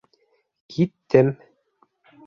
Киттем.